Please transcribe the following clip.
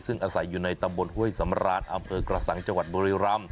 ซึ่งอาศัยอยู่ในตำบลเว้ยสำราชอำเภิอกระสั่งจบริรัม